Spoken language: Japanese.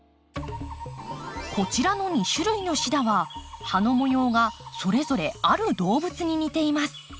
こちらの２種類のシダは葉の模様がそれぞれある動物に似ています。